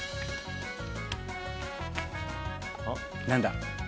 何だ？